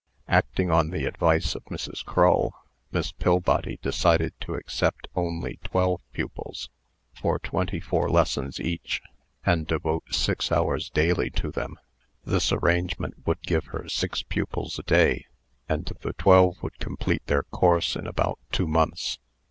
Acting on the advice of Mrs. Crull, Miss Pillbody decided to accept only twelve pupils, for twenty four lessons each, and devote six hours daily to them. This arrangement would give her six pupils a day; and the twelve would complete their course in about two months.